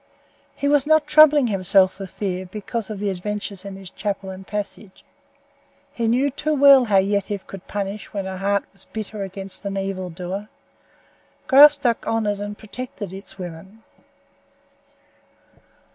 He was not troubling himself with fear because of the adventures in the chapel and passage. He knew too well how Yetive could punish when her heart was bitter against an evil doer. Graustark honored and protected its women.